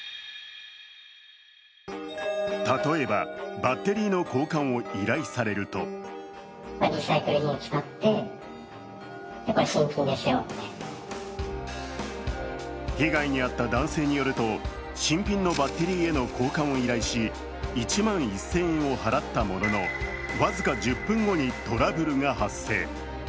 例えば、バッテリーの交換を依頼されると被害に遭った男性によると新品のバッテリーへの交換を依頼し１万１０００円を払ったものの僅か１０分後にトラブルが発生。